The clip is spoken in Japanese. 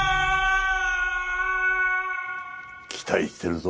期待してるぞ。